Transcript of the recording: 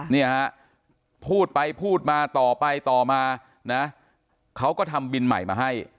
เนี่ยฮะพูดไปพูดมาต่อไปต่อมานะเขาก็ทำบินใหม่มาให้